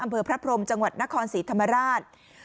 อำเภอพระพรมจังหวัดนครศรีธรรมราช